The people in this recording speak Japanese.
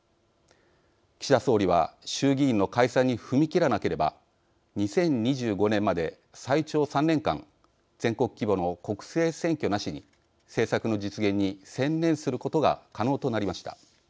岸田総理は衆議院の解散に踏み切らなければ２０２５年まで最長３年間全国規模の国政選挙なしに政策の実現に専念することが可能となりました。